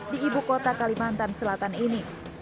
di ibu kota kalimantan selatan ini